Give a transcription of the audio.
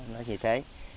nói như thế